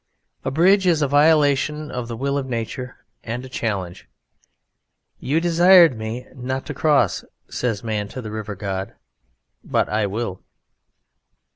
A bridge is a violation of the will of nature and a challenge. "You desired me not to cross," says man to the River God, "but I will."